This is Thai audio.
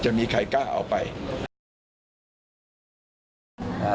จะมีใครก็แบบว่าจะไป